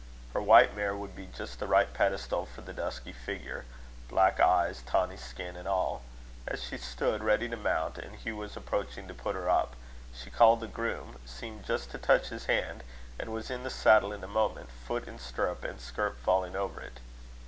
Her white mare would be just the right pedestal for the dusky figure black eyes, tawny skin, and all. As she stood ready to mount, and Hugh was approaching to put her up, she called the groom, seemed just to touch his hand, and was in the saddle in a moment, foot in stirrup, and skirt falling over it.